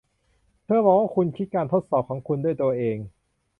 เธอบอกว่าคุณคิดการทดสอบของคุณด้วยตัวเอง